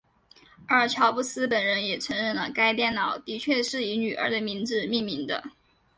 而乔布斯本人也承认了该电脑的确是以女儿的名字命名的。